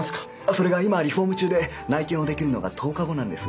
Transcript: それが今リフォーム中で内見をできるのが１０日後なんです。